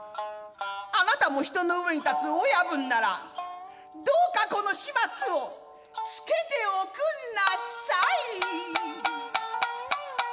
あなたも人の上に立つ親分ならどうかこの始末をつけておくんなさい！」。